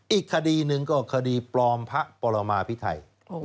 อีกคดีหนึ่งก็คดีปลอมพระปรมาพิไทย